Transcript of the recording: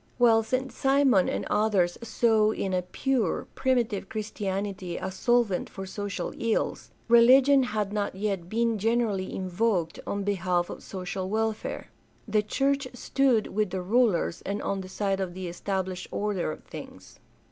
While St. Simon and others saw in a pure, primitive Christianity a solvent for social ills, religion had not yet been generally invoked on behalf of social welfare. The church stood with the rulers and on the side of the established order of things.